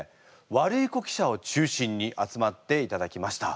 ワルイコ記者を中心に集まっていただきました。